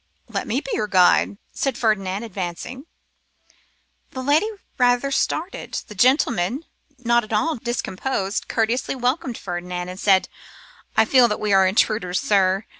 'Let me be your guide,' said Ferdinand, advancing. The lady rather started; the gentleman, not at all discomposed, courteously welcomed Ferdinand, and said, 'I feel that we are intruders, sir.